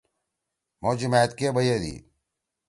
مھو جمأت کے بیَدی۔